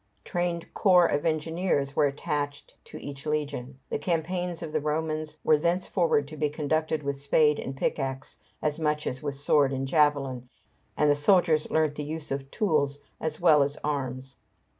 Trained corps of engineers were attached to each legion. The campaigns of the Romans were thenceforward to be conducted with spade and pickaxe as much as with sword and javelin, and the soldiers learnt the use of tools as well as arms.